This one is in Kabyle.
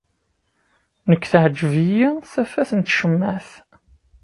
Nekk teɛǧeb-iyi tafat n tcemmaɛt.